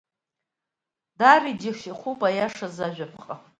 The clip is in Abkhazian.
Даара иџьашьахәуп аиашаз ажәаԥҟа!